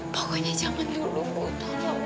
pokoknya zaman dulu bu